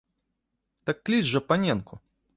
Так кліч жа паненку!